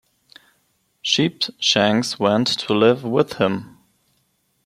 Sheepshanks went to live with him.